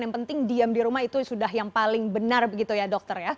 yang penting diam di rumah itu sudah yang paling benar begitu ya dokter ya